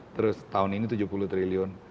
terus tahun ini tujuh puluh triliun